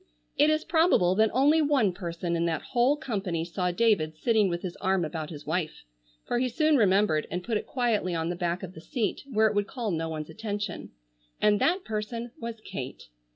It is probable that only one person in that whole company saw David sitting with his arm about his wife—for he soon remembered and put it quietly on the back of the seat, where it would call no one's attention—and that person was Kate.